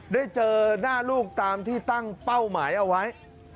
ได้เจอหน้าลูกตามที่ตั้งเป้าหมายเอาไว้